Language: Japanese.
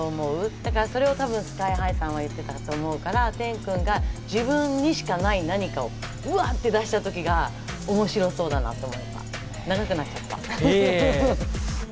だからそれをＳＫＹ−ＨＩさんは言ってたと思うから、テン君が自分にしかない何かをうわって出した時が面白そうだなと思った。